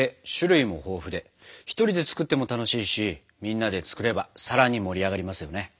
１人で作っても楽しいしみんなで作ればさらに盛り上がりますよね。